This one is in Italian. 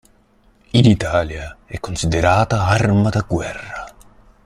In Italia è considerata "arma da guerra".